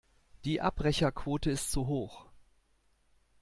Die Abbrecherquote ist zu hoch.